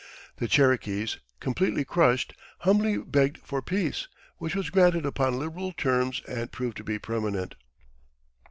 The Cherokees, completely crushed, humbly begged for peace, which was granted upon liberal terms and proved to be permanent.